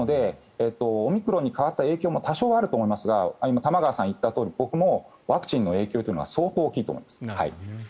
オミクロンに変わった影響も多少あると思いますが今玉川さんが言ったように僕もワクチンの影響というのは相当大きいと思います。